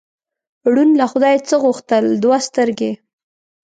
ړوند له خدایه څه غوښتل؟ دوه سترګې.